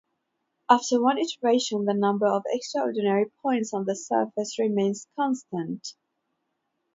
After one iteration, the number of extraordinary points on the surface remains constant.